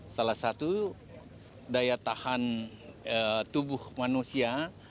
salah satu daya tahan tubuh manusia